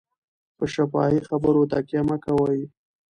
په شفاهي خبرو تکیه مه کوئ.